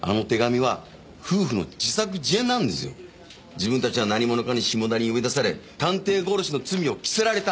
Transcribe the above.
自分たちは何者かに下田に呼び出され探偵殺しの罪を着せられた。